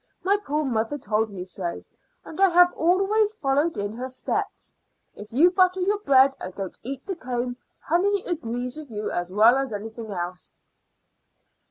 My poor mother told me so, and I have always followed in her steps. If you butter your bread and don't eat the comb, honey agrees with you as well as anything else."